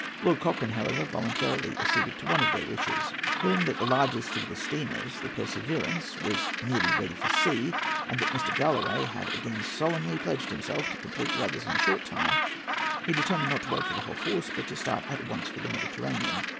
Lord Cochrane, however, voluntarily acceded to one of their wishes. Hearing that the largest of the steamers, the Perseverance, was nearly ready for sea, and that Mr. Galloway had again solemnly pledged himself to complete the others in a short time, he determined not to wait for the whole force, but to start at once for the Mediterranean.